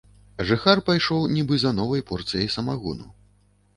Жыхар пайшоў нібы за новай порцыяй самагону.